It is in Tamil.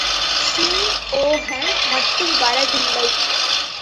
ஸீன் ஹோகன் மட்டும் வரவில்லை.